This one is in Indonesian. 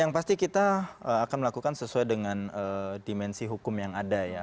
yang pasti kita akan melakukan sesuai dengan dimensi hukum yang ada ya